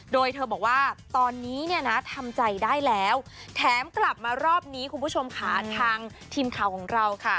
โดยเธอบอกว่าตอนนี้เนี่ยนะทำใจได้แล้วแถมกลับมารอบนี้คุณผู้ชมค่ะทางทีมข่าวของเราค่ะ